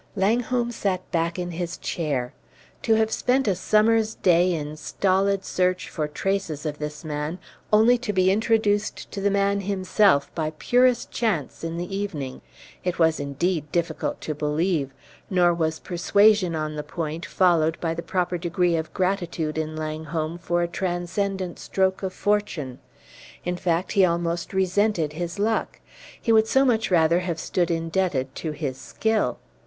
Langholm sat back in his chair. To have spent a summer's day in stolid search for traces of this man, only to be introduced to the man himself by purest chance in the evening! It was, indeed, difficult to believe; nor was persuasion on the point followed by the proper degree of gratitude in Langholm for a transcendent stroke of fortune. In fact, he almost resented his luck; he would so much rather have stood indebted to his skill.